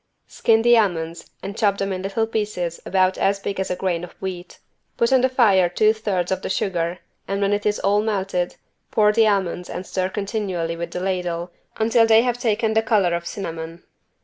Skin the almonds and chop them in little pieces about as big as a grain of wheat. Put on the fire two thirds of the sugar and when it is all melted pour the almonds and stir continually with the ladle until they have taken the color of cinnamon.